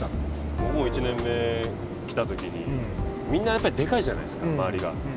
僕も１年目来たときに、みんなやっぱりでかいじゃないですか周りが。